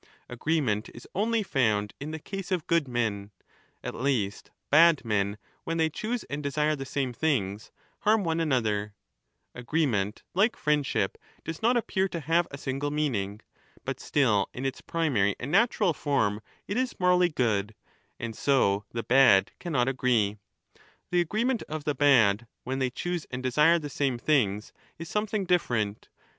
^ Agreement is only found in the case of good men ; at least, bad men when they choose ^jV and desire the same things^ harm one another^ Agreement, like friendship, does not appear to have a single meaning; 25, ^ut still in its primary and natural form it is morally good ; (and so the bad cannot agree ; the agreement of the bad, when they choose and desire the same things, is something different.